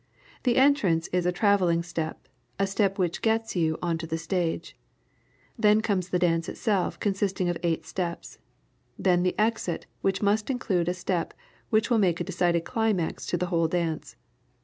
The entrance is a travelling step, a step which gets you onto the stage; then comes the dance itself consisting of eight steps; then the exit which must include a step which will make a decided climax to the whole dance.